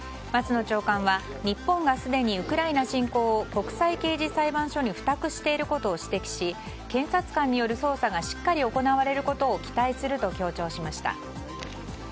松野長官は、日本がすでにウクライナ侵攻を国際刑事裁判所に付託していることを指摘し検察官による捜査がしっかり行われることを期待すると強調しました。